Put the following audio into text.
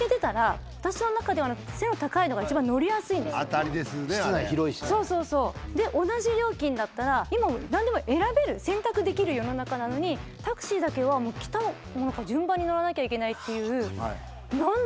あれ室内広いしそうそうそうで同じ料金だったら今何でも選べる選択できる世の中なのにタクシーだけはもう来たものから順番に乗らなきゃいけないっていう何で？